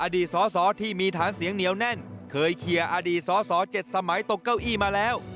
สอสอที่มีฐานเสียงเหนียวแน่นเคยเคลียร์อดีตสอสอ๗สมัยตกเก้าอี้มาแล้ว